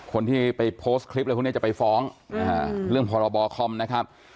คนที่ไปโพสต์คลิปอะไรพวกนี้จะไปฟ้องเรื่องพรบคอมนะครับ